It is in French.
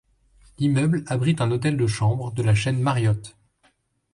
L'immeuble abrite un hôtel de chambres de la chaine Marriott.